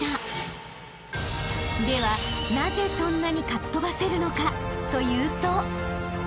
［ではなぜそんなにかっ飛ばせるのかというと］